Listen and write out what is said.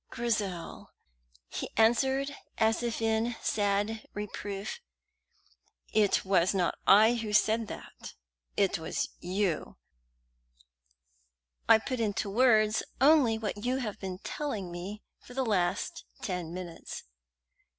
"Grizel!" he answered, as if in sad reproof; "it was not I who said that it was you. I put into words only what you have been telling me for the last ten minutes."